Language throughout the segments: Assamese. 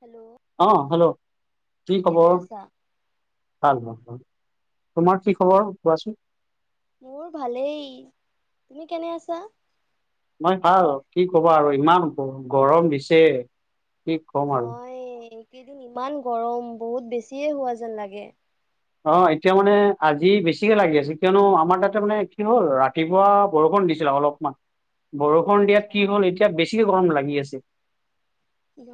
হেল্ল' অ', হেল্ল' কি কেনে খবৰ? আছা? ভাল ভাল ভাল তোমাৰ কি খবৰ কোৱাচোন। মোৰ ভালেই, তুমি কেনে আছা? মই ভাল, কি কবা আৰু ইমান গ-গৰম দিছে। কি ক'ম আৰু হয় এইকেইদিন ইমান গৰম, বহুত বেছিয়ে হোৱা যেন লাগে। অ', এতিয়া মানে আজি বেছিকে লাগি আছে, কিয়নো আমাৰ তাতে মানে কি হ'ল ৰাত ৰাতিপুৱা বৰষুণ দিছিল অলপ মান। [unintelligible] বৰষুণ দিয়াত আচ্ছা। কি হ'ল এতিয়া বেছিকে গৰম লাগি আছে।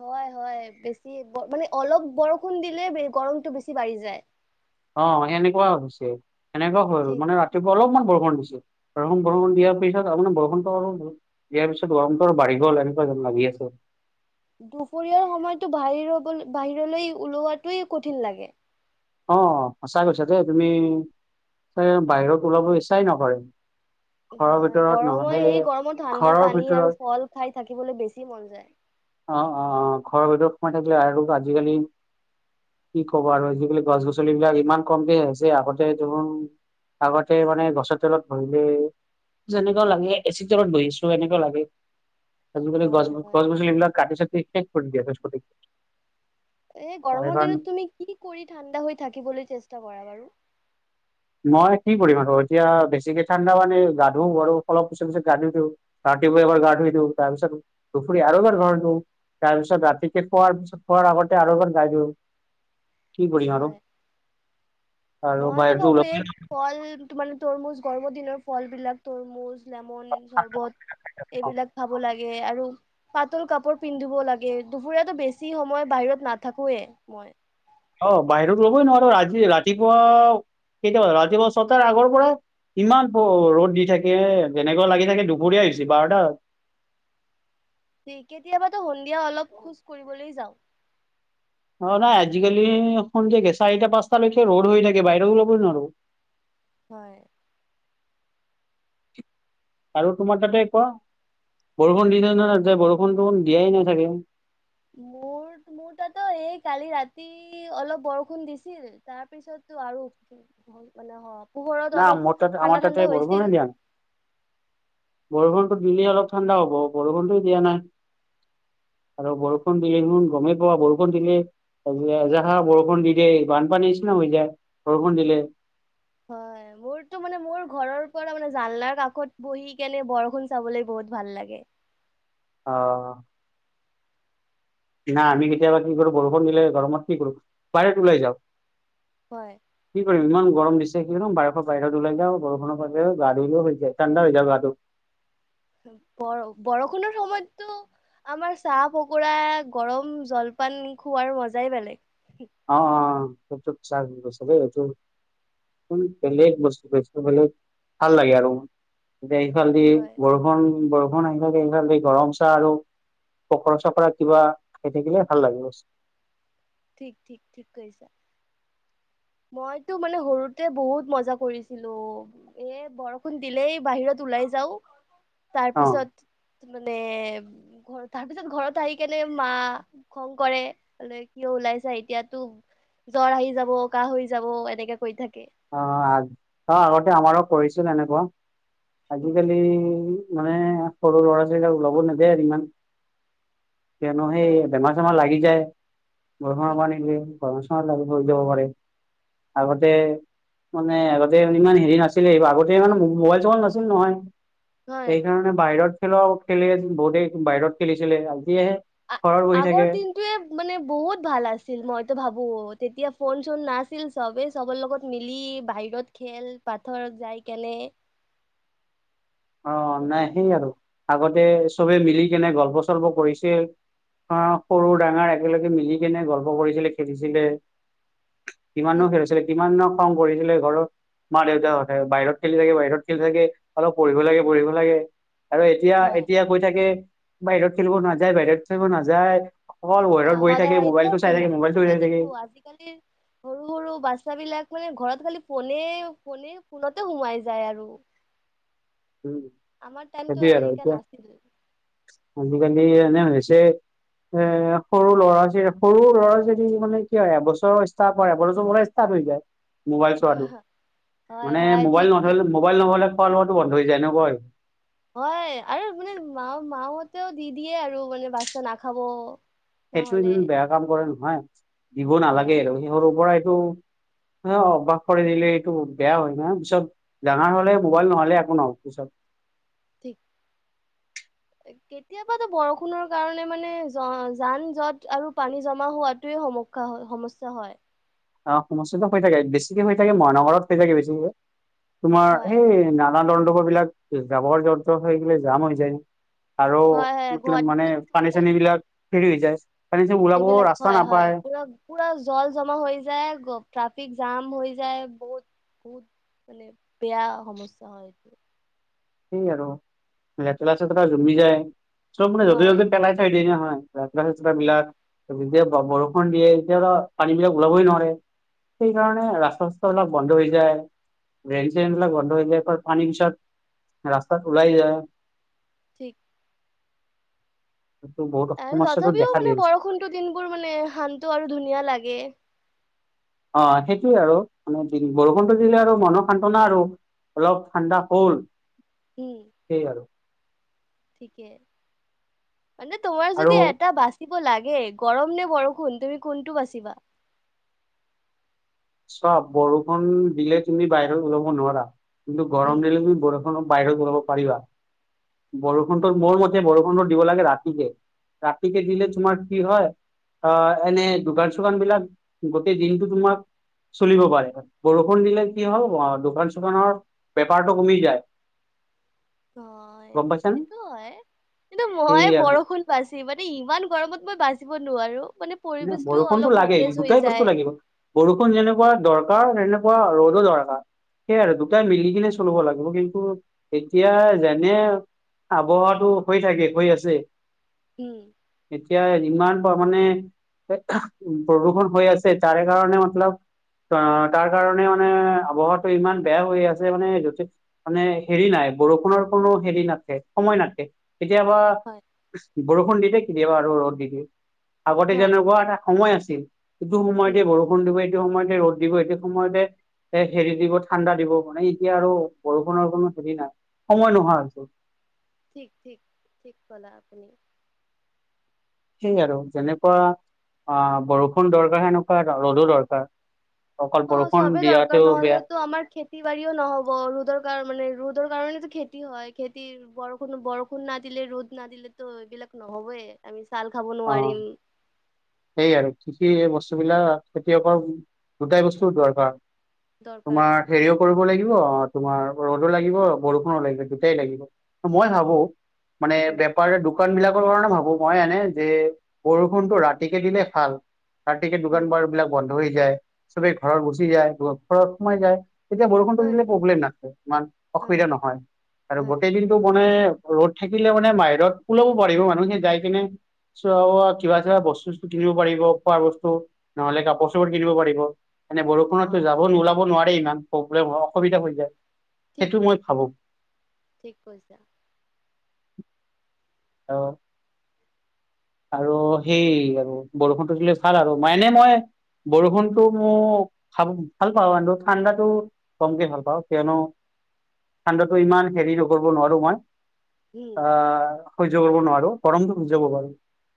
হয় হয় বেছি ব, মানে অলপ বৰষুণ দিলে গৰমতটো বেছি বাঢ়ি যায়। অ', সেনেকুৱা হৈছে, এনেকুৱা হ'ল ঠিক। মানে ৰাতিপুৱা অলপমান বৰষুণ দিছে। বৰষণ বৰষুণ দিয়াৰ পিছত আপোনাৰ বৰষুণটো অলপ হয়। দিয়াৰ পিছত গৰমটো আৰু বাঢ়ি গ'ল এনেকুৱা যেন লাগি আছে। দুপৰীয়াৰ সময়তো বাহিৰলগ বাহিৰলৈ ওলোৱাটোই কঠিন লাগে। অ', সঁচা কৈছা দে তুমি এ বাহিৰত ওলাব ইচ্ছাই নকৰে। ঘৰৰ হয়, ভিতৰত গৰমে নহ'লে এই গৰমত ঠাণ্ডা ঘৰৰ পানী ভিতৰত আৰু ফল খাই থাকিবলৈ বেছি মন যায়। অ', অ', অ', ঘৰৰ ভিতৰত সোমাই থাকিলে আৰু আজিকালি কি কবা আৰু আজিকালি গছ-গছলিবলাক ইমান কমকে হৈছে, আগতে দেখোন আগতে মানে গছৰ তলত বহিলে যেনেকুৱা লাগে এচি তলত বহি আছোঁ, এনেকুৱা লাগে। আজিকালি গছ হয় হয়। গছনিবিলাক কাটি চাটি শেষ কৰি দিয়ে। [unintelligible] এই তাৰে গৰমৰ কাৰণ দিনত তুমি কি কৰি ঠাণ্ডা হৈ থাকিবলৈ চেষ্টা কৰা বাৰু? মই কি কৰিম আৰু এতিয়া বেছিকে ঠাণ্ডা পানী গা ধু আৰু অলপ পিছত পিত গা ধুই দিওঁ। ৰাতিপুৱা এবাৰ গা ধুই দিওঁ, তাৰ পিছত দুপৰীয়া আৰু এবাৰ ঘৰত ধুম। তাৰ পিছত ৰাতিকে খোৱাৰ পিছত খোৱাৰ আগতে আৰু এবাৰ গা ধুউ। কি কৰিম আৰু হয়, আৰু মইতো বাহিৰতো ভাবো ওলা এই ফল তোমাৰ মানে তৰমুজ গৰমৰ দিনৰ ফল বিলাক তৰমুজ লেমন চৰ্বত নোৱাৰো এইবিলাক খাব লাগে আৰু পাতল কাপোৰ পিন্ধিব লাগে, দুপৰীয়াতো বেছি সময় বাহিৰত নাথাকোয়ে মই। অ', বাহিৰত লবই নোৱাৰো আজি ৰাতি ৰাতিপুৱা, ৰাতিপুৱা ছটাৰ আগৰ পৰা ইমান ৰ'দ দি থাকে যেনেকুৱা লাগি থাকে দুপৰীয়া হৈছি বাৰটা দি কেতিয়াবাতো সন্ধিয়া অলপ খোজ কৰিবলৈ যাওঁ অ', নাই আজিকালি সন্ধিয়া কি চাৰিটা পাঁচটালৈকে ৰ'দ হৈ থাকে, বাহিৰ ওলাবই ল'বই নোৱাৰো হয়। আৰু তোমাৰ তাতে কোৱা বৰষুণ দিছে নে, নাই তাতে বৰষুণ টওদিয়াই নাই চাগে মোৰ মোৰ তাতো এই কালি ৰাতি অলপ বৰষুণ দিছিল, তাৰপিছততো আৰু। মোৰ ফালে হ। না পোহৰত অলপ মোৰ তাতে আমাৰ ঠাণ্ডা তাতে ঠাণ্ডা বৰষুণে হৈছিল। দিয়া নাই বৰষুণতো দিলে অলপ ঠাণ্ডা হ'ব, বৰষুণটো দিয়া নাই। আৰু বৰষুণ দিলে দেখোন গমেই পোৱা, বৰষুণ দিলে তাৰপিছে এজাহাৰ বৰষুণ দি দিয়ে, বানপানী নিছিনা হৈ যায়। বৰষুণ দিলে। হয়। মোৰতো মানে মোৰ ঘৰৰ পৰা মানে জালনাৰ কাষত বহি কেনে বৰষুণ চাবলৈ বহুত ভাল লাগে। অ'। না আমি কেতিয়াবা কি কৰো বৰষুণ দিলে গৰমত কি কৰো, বাহিৰত ওলাই যাওঁ। হয়। কি কৰিম ইমান গৰম দিছে, [unintelligible] বাহিৰত ওলাই যাওঁ বৰষুৰ বাবে গা ধুই লৈ হৈ যায়। ঠাণ্ডা হৈ যায় গাটো। বৰ বৰষুণৰ সময়ত তো আমাৰ চাহ-পকৰা, গৰম জলপান খোৱাৰ মজাই বেলেগ। অ', অ', এইটোক চাচ বুলি কৈছে দেই, এইটো ও, পেহীয়েক বস্তু, বস্তু বেলেগ, ভাল লাগে আৰু। এতিয়া এইফালেদি হয়, বৰষুণ বৰষুণ আহি থাকে এইফালেদি গৰম চাহ আৰু পকৰা, চকৰা কিবা খাই থাকিলে ভাল লাগে, বচ। ঠিক, ঠিক, ঠিক কৈছা। মইতো মানে সৰুতে বহুত মজা কৰিছিলো। এ, বৰষুণ দিলেই বাহিৰত ওলাই যাওঁ। অ তাৰপিছত মানে, ঘৰ তাৰপিছত ঘৰত আহি কেনে মা খং কৰে। বোলে কিয় ওলাইছা, এতিয়াতো জ্বৰ আহি যাব। কাঁহ হৈ যাব এনেকে কৈ থাকে। অ', আগ অ', আগতে আমাৰো কৰিছিল এনেকুৱা। আজিকালি মানে, সৰু ল'ৰা-ছোৱালীগাল ওলাব নিদিয়ে আৰু ইমান। কিয়নো সেই হয়, বেমাৰ চেমাৰ লাগি যায়, বৰষুণৰ ঠিক পানী দি। বেমাৰ চেমাৰ লাগি পৰি যাব পাৰে। আগতে মানে, আগতে ইমান হেৰি নাছিলে, এই আগতে মানে মোবাইল চোবাইল নাছিল নহয়। হয়। সেই কাৰণে বাহিৰত খেলাও খেলে, বহুতে বাহিৰত খেলিছিলে, এতিয়াহে আগৰ দিন টোৱে মানে বহুত ভাল আছিল, মইতো ভাবো তেতিয়া ফোন চোন নাছিল চবে চবৰ লগত মিলি, বাহিৰত খেল, পাথৰত যাই কেনে অ', নাই এইবিলাক সেই আৰু, আগতে চবে মিলি কেনে গল্প চল্প কৰিছিল। অ', সৰু ডাঙৰ একেলগে মিলি কেনে গল্প কৰিছিলে, খেলিছিলে। কিমান নো ঠিক ঠিক খেলিছিলিক কিমাননো খং কৰিছিলে ঘৰত, মা-দেউতাহঁতে বাহিৰত খেলি থাকে বাহিৰত খেলি থাকে অলপ পঢ়িব লাগে, পঢ়িব লাগে, আৰু এতিয়া হয় এতিয়া কৈ থাকে বাহিৰত খেলিব নাযায়, বাহিৰত খেলিব নাযায়। অকল ঘৰত অ', বহি থাকে সদায় মোবাইলটো চাই থাকে [unintelligible] তুমি মোবাইলটো চাই কি থাকে কোৱা, আজিকালিৰ সৰু সৰু বাচ্ছা বিলাক মানে ঘৰত খালি ফোনে, ফোনে, ফোনতে সোমাই যায় আৰু উ। আমাৰ টাইমটো এনেকা নাছিল। আজিকালি এনে হৈছে। এ, সৰু ল'ৰা কি সৰু ল'ৰা যদি মানে কি হয় এবছৰৰ ষ্টাৰ্ট কৰে এবছৰৰ পৰাই ষ্টাৰ্ট হৈ যায়। মোবাইল চোৱাটো, হয় মানে হয় ঠিক মোবাইল ঠিক নধ মোবাইল নহ'লে খোৱা লোৱাতো বন্ধ হৈ যায় এনেকুৱা হৈছে। হয় আৰু এইপিনে মা-মাহতেও দি দিয়ে আৰু মানে বাত্চা নাখাব। সেইটো নহ'লে ইমান বেয়া কাম কৰে নহয়, দিব হয় নালাগে আৰু সি সৰুৰ পৰাইটো অ', অভ্যাস কৰি দিলে, এইটো বেয়া হয় ন, পিছত ডাঙৰ হ'লে মোবাইল নহ'লে একো নহ'ব পিছত। ঠিক কেতিয়াবাতো বৰষুণৰ কাৰণে মানে য-যান-জট আৰু পানী জমা হোৱাতোৱে সম [unintelligible] সমস্যা হয়। অ', সমস্যাটো হৈ থাকে, বেছিকে হৈ থাকে মহানগৰত হৈ থাকে বেছিকে, তোমাৰ সেই না নলা- নৰ্দমাবিলাক, জাৱৰ- জোথৰ হৈ কিনে জাম হৈ যায়। আৰু হয় হয় হয় [unintelligible] মানে গুৱাহাটীতো কিছুমান ঠাইত পানী-চানী বিলাক হেৰি হৈ যায়, পানী-চানী ওলাব এইবিলাক ৰাস্তা হয় হয় নাপায়। পুৰা পুৰা জল জমা হৈ যায়, গ-ট্ৰাফিক জাম হৈ যায়, বহুত-বহুত মানে বেয়া সমস্যা হয়। সেই আৰু লেতেৰা-চেতেৰা জমি যায়, চব মানে হয় য'তে-ত'তে পেলাই থৈ দিয়ে নহয়। ৰাষ্টা-চাষ্টা হয় বিলাক, যেতিয়া ব-বৰষুণ দিয়ে, তেতিয়াতো পানী বিলাক ওলাবই নোৱাৰে। সেইকাৰণে ৰাস্তা-চাস্তা বিলাক বন্ধ হৈ যায়, ড্ৰেন-শ্ৰেন বিলাক বন্ধ হৈ যায়, পানীৰ পিছত ৰাস্তাত ওলাই যায়। ঠিক সেইটো বহুত সমস্যাটো দেখা দিয়া হৈছে। টো দিনবোৰ মানে শান্ত আৰু ধুনীয়া লাগে। অ', সেইটোয়ে আৰু মানে বৰষুণটো দিলে আৰু মনৰ সান্তনা আৰু অলপ ঠাণ্ডা হ'ল। উম। সেই আৰু। ঠিকে। মানে তোমাৰ আৰু যদি এটা বাচ বাচিব লাগে, গৰম নে বৰষুণ তুমি কোনটো বাচিবা? চোৱা, বৰষুণ দিলে তুমি বাহিৰত ওলাব নোৱাৰা, কিন্তু উম গৰম দিলে তুমি বৰ [unintelligible] বাহিৰত ওলাব পাৰিবা। বৰষুণটো হয় মোৰ মতে বৰষুণটো দিব লাগে ৰাতিকে। ৰাতিকে দিলে তোমাৰ কি হয় অ', এনে দোকান-চোকান বিলাক গোটেই দিনটো তোমাক চলিব পাৰে, বৰষুণ দিলে কি হ'ল দোকান-চোকানৰ বেপাৰটো কমি যায়। হয়, গম পাইছা নে সেইটোও হয়, কিন্তু মই সেয়ে আৰু বৰষুণ বাচি মানে ইমান গৰমত মই বাচিব নোৱাৰো, মানে পৰিবেশতো বৰষুণটো অলপ লাগে সতেজ হৈ দুটাই বস্তু যায়। লাগিব বৰষুণ যেনেকুৱা দৰকাৰ, তেনেকুৱা ৰ'দো দৰকাৰ। সেইয়া আৰু দুটাই মিলি কিনে চলিব লাগিব, কিন্তু এতিয়া যেনে [unintelligible] হৈ থাকে, হৈ আছে হম। এতিয়া ইমান তাৰমানে বৰষূণ হৈ আছে, তাৰে কাৰণে মতলব অ', তাৰ কাৰণে মানে আৱহাটো ইমান বেয়া হৈ আছে মানে যতে মানে হেৰি নাই, বৰষুণৰ কোনো হেৰি নাথকে, সময় নাথকে। কেতিয়াবা হয় বৰষুণ দি দিয়ে, কেতিয়াবা আৰু ৰ'দ দি দিয়ে। হয় তেনেকুৱা এটা সময় আছিল, সেইটো সময়তে উম বৰষুণ দিব, এইটো সময়তে ৰ'দ দিব, এইটো সময়তে এ, হেৰি দিব, ঠাণ্ডা দিব, মানে এতিয়া আৰু বৰষুণৰ কোনো হেৰি নাই, সময় নোহোৱা হৈছে। ঠিক ঠিক, ঠিক কলা আপুনি। সেই আৰু যেনেকুৱা অঁ, বৰষুণ দৰকাৰ সেনেকুৱা ৰ'দো দৰকাৰ। অকল অঁ, বৰষুণ চবেই দৰকাৰ দিয়াতেও বেয়া নহ'লেতো আমাৰ খেত খেতি বাৰীও নহ'ব ৰ'দৰ কাৰ মানে ৰ'দৰ কাৰণেতো খেতি হয়, খেতিৰ বৰষুণ-বৰষুণ না দিলে ৰ'দ না দিলেতো এইবিলাক নহবয়ে আমি চাওঁল খাব অ নোৱাৰিম। সেই আৰু কৃষি এই বস্তুবিলাক খেতিয়কৰ দুটাই বস্তু দৰকাৰ। দৰকাৰ তোমাৰ হেৰিয় কৰিব লাগিব, অঁ তোমাৰ ৰ'দো লাগিব বৰষুণো লাগিব দুটাই লাগিব। মই ভাবো মানে উম বেপাৰ দোকান বিলাকৰ কাৰণে ভাবো মই, এনে যে বৰষুণতটো ৰাতিকে দিলে ভাল, ৰাতিকে দোকান উম পোহাৰ বিলাক বন্ধ হৈ যায়। চবেই ঘৰৰ গুচি যায়, ঘৰাৰ সোমায় যায়। তেতিয়া বৰষুণটো হয় দিলে প্ৰব্লেম নাথাকে, ইমান হয় অসুবিধা নহয় আৰু হয় গোটেই দিন টো মানে ৰ'দ থাকিলে মানে বাহিৰত ওলাব পাৰিব মানুহে যাই কিনে। চৱা কিবা কিবা বস্তু চস্তু কিনিব পাৰিব খোৱাৰ, বস্তু নহ'লে কাপোৰ চাপোৰ কিনিব পাৰিব। মানে বৰষুণতো হয় যাব ওলাব নোৱাৰাৰে ইমান প্ৰব্লেম অসুবিধা উম হৈ যায়। ঠিক সেইটো ঠিক মই ভাবো। ঠিক কৈছা। অঁ। আৰু সেই আৰু বৰষুণটো দিলে ভাল আৰু। মনে মই বৰষুণতটো মো, খাব, ভাল পাওঁ আৰু ঠাণ্ডাতো কমকে ভাল পাওঁ, কিয়নো ঠাণ্ডাটো ইমান হেৰি নকৰিব নোৱাৰো মই। উম আহ সহ্য কৰিব নোৱাৰো, গৰমটো সহ্য কৰিব পাৰো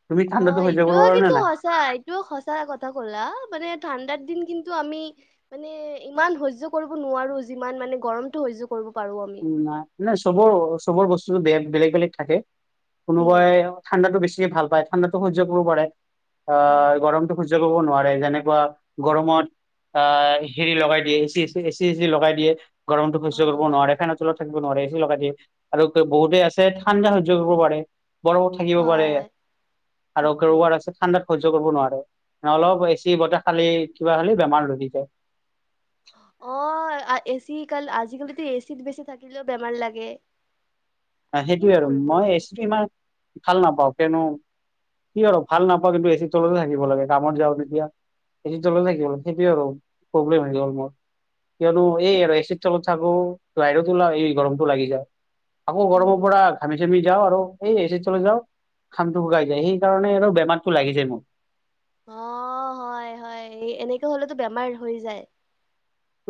তুমি অ', ঠাণ্ডাটো সহ্য কৰিব এইটোয়ে পাৰা নে কিন্তু নাই সচ চা এইটোও সচা কথা ক'লা, মানে ঠাণ্ডাৰ দিন কিন্তু আমি মানে ইমান সহ্য কৰিব নোৱাৰো, যিমান মানে গৰমটো সহ্য কৰিব পাৰো আম উম, নাই, নাই চবৰ-চবৰ বস্তুটো বে-বেলেগ-বেলেগ থাকে, উম কোনোবাই- ঠাণ্ডাতটো বেছিকে ভাল পায়, ঠাণ্ডাতো সহ্য কৰিব পাৰে, আহ হয় গৰমটো সহ্য কৰিব নোৱাৰে, যেনেকুৱা গৰমত আহ হেৰি লগাই দিয়ে, এচি এচি এচি লগাই দিয়ে গৰমতটো সহ্য কৰিব হয় নোৱাৰে। ফেনৰ তলত থাকিব নোৱাৰে। এচি লগাই দিয়ে আৰু বহুতে আছে ঠাণ্ডা সহ্য কৰিব পাৰে। বৰফত থাকিব পাৰে হয় আৰু ঠিক ঠিক গৰুৱাৰ আছে। ঠাণ্ডাত সহ্য কৰিব নোৱাৰে অলপ এচি বতাহ খালেই কিবা খালেই বেমাৰ ধৰি যায়। অঁ আ এচি কাল আজিকালিতো এচিত বেছি থাকিলো বেমাৰ লাগে। [inaudible] সেই সেইটোয়ে আৰু কৰিব মই মানুহ এচিটো ইমান ভাল নাপাওঁ কয়নো কি আৰু ভাল নাপাওঁ কিন্তু এ চিৰ তলতে থাকিব লাগে কামত যাওঁ যেতিয়া এচিৰ তলতে থাকিব লাগে সেইটোৱে আৰু প্ৰব্লেম হৈ গল মোৰ। কিয়নো এই আৰু এচিৰ তলত থাকো বাহিৰত ওলাও এই গৰমতটো লাগি যায়। আকৌ গৰমৰ উম পৰা ঘামি চামি যাওঁ আৰু এই এচিৰ তললে যাওঁ ঘামটো শুকাই যায় সেইকাৰণে আৰু বেমাৰতটো লাগি যায় মোৰ। অঁ হয় হয়, এই এনেকে হ'লেতো বেমাৰ হৈ যায়।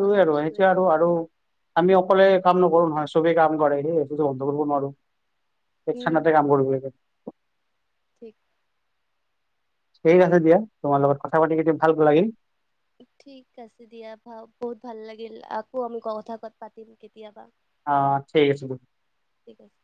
সঁচা আৰু বস্তুৱে সেইটোৱে আৰু আৰু আমি অকলে কাম নকৰো নহয়, চবেই কাম কৰে সেই বন্ধ কৰিব নোৱাৰো। এক উম চানাতে কাম কৰিব লাগে। ঠিক। ঠিক আছে দিয়া, তোমাৰ লগত কথা পাতি কিন্তু ভাল লাগিল। ঠিক আছে দিয়া। ভাও বহুত ভাল লাগিল, আকৌ আমি কথা কত পাতিম কেতিয়াবা। অ' ঠিক আছে দি। ঠিক আছে।